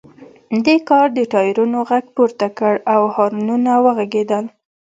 دې کار د ټایرونو غږ پورته کړ او هارنونه وغږیدل